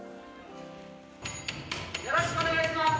よろしくお願いします！